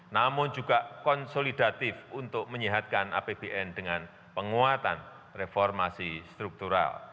namun juga konsolidatif untuk menyehatkan apbn dengan penguatan reformasi struktural